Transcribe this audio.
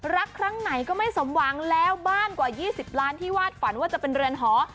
รักครั้งไหนก็ไม่สมหวังแล้วบ้านกว่า๒๐ล้านที่วาดฝันว่าจะเป็นเรือนหอ